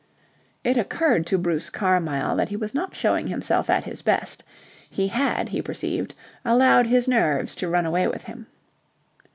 It occurred to Bruce Carmyle that he was not showing himself at his best. He had, he perceived, allowed his nerves to run away with him.